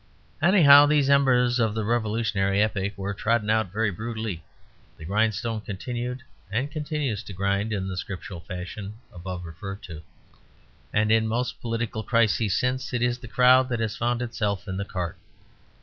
Anyhow, these embers of the revolutionary epoch were trodden out very brutally; the grindstone continued (and continues) to grind in the scriptural fashion above referred to, and, in most political crises since, it is the crowd that has found itself in the cart.